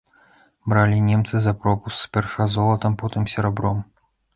Бралі немцы за пропуск спярша золатам, потым серабром.